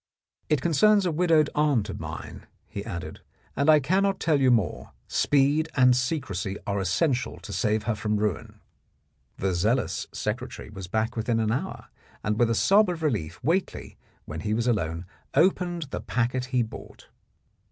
" It concerns a widowed aunt of mine," he added, "and I cannot tell you more. Speed and secrecy are essential to save her from ruin." The zealous secretary was back within an hour, and with a sob of relief Whately, when he was alone, opened the packet he brought.